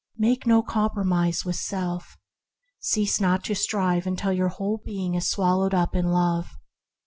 Make no compromise with self. Cease not to strive until your whole being is swallowed up in Love.